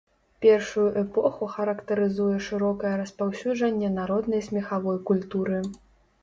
Першую эпоху характарызуе шырокае распаўсюджанне народнай смехавой культуры.